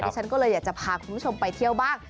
ฉันก็เลยอยากจะพาคุณผู้ชมไปเที่ยวบ้าง